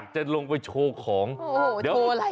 พูดพูดตอนที่แบบ